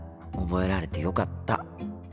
覚えられてよかった。